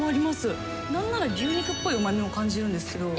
何なら牛肉っぽいうまみも感じるんですけど。